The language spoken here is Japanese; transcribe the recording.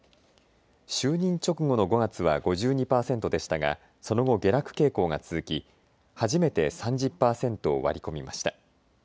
就任直後の５月は５２％でしたがその後、下落傾向が続き初めて３０％を割り込みました。